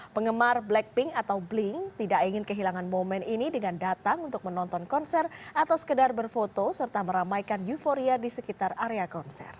penggemar blackpink atau blink tidak ingin kehilangan momen ini dengan datang untuk menonton konser atau sekedar berfoto serta meramaikan euforia di sekitar area konser